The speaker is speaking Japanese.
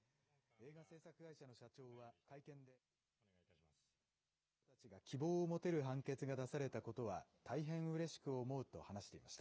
映画製作会社の社長は会見で、映画業界の人たちが希望を持てる判決が出されたことは、大変うれしく思うと話していました。